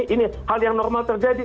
ini hal yang normal terjadi